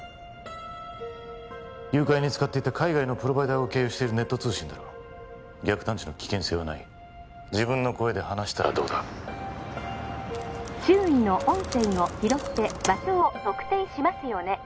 誘拐に使っていた海外のプロバイダーを経由しているネット通信だろ逆探知の危険性はない自分の声で話したらどうだ周囲の音声を拾って場所を特定しますよね